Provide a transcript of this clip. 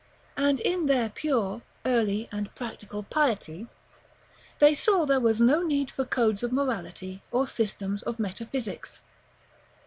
And in their pure, early, and practical piety, they saw there was no need for codes of morality, or systems of metaphysics.